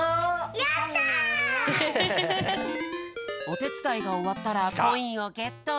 おてつだいがおわったらコインをゲット。